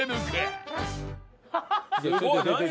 すごい！何？